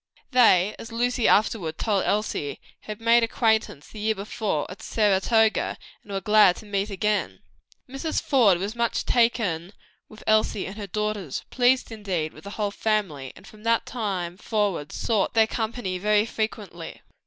They, as Lucy afterward told Elsie, had made acquaintance the year before at Saratoga, and were glad to meet again. Mrs. Faude was much taken with Elsie and her daughters, pleased, indeed, with the whole family, and from that time forward sought their society very frequently.